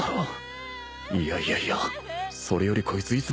いやいやいやそれよりこいついつまでしゃべってんだ？